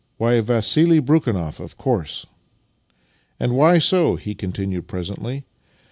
Why, Vassili Brekhunoff, of course! " "And why so?" he continued presently.